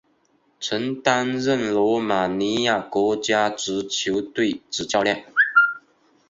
曾担任罗马尼亚国家足球队主教练。